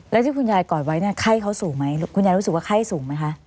แล้วที่คุณยายกอดไว้เนี่ยไข้เขาสูงไหมคุณยายรู้สึกว่าไข้สูงไหมคะ